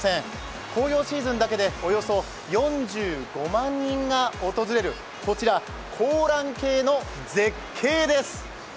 紅葉シーズンだけでおよそ４５万人が訪れる、こちら香嵐渓の絶景です。